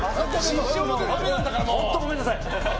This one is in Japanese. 本当ごめんなさい。